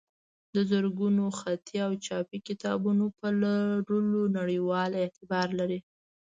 د زرګونو خطي او چاپي کتابونو په لرلو نړیوال اعتبار لري.